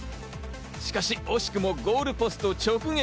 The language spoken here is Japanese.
しかし惜しくもゴールポスト直撃。